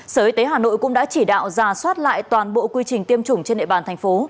sở y tế hà nội cũng đã chỉ đạo giả soát lại toàn bộ quy trình tiêm chủng trên nệ bàn thành phố